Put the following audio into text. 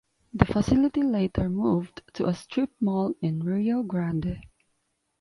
The facility later moved to a strip mall in Rio Grande.